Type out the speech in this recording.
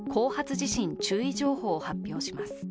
地震注意情報を発表します。